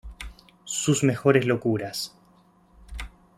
Sus mejores locuras".